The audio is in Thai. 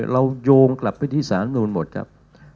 โยงกลับไปที่สารรัฐมนูลหมดครับ